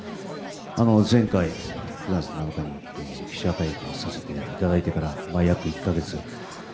前回、９月７日に記者会見をさせていただいてから約１か月。